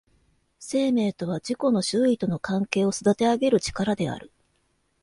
生命とは自己の周囲との関係を育てあげる力である。